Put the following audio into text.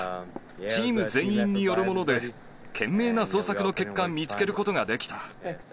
チーム全員によるもので、懸命な捜索の結果、見つけることができた。